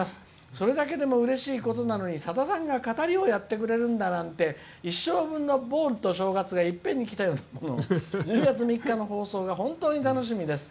それだけでもうれしいことなのにさださんが語りをやってくれるなんて一生分の盆と正月がいっぺんにきたような１０月３日の放送が本当に楽しみです。